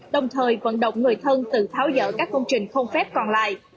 đồng thời vận động người thân tự tháo dỡ các công trình không phép còn lại